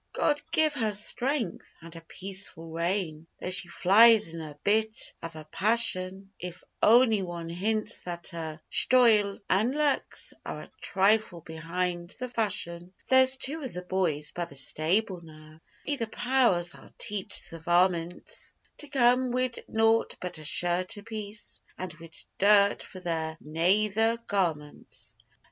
'God give her strength! and a peaceful reign Though she flies in a bit av a passion If ony wan hints that her shtoyle an' luks Are a trifle behind the fashion. 'There's two of the boys by the stable now Be the powers! I'll teach the varmints To come wid nought but a shirt apiece, And wid dirt for their nayther garmints.